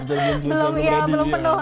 belum ya belum penuh